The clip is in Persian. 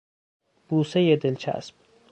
بوسهی دلچسب